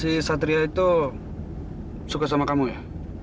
si satria itu suka sama kamu ya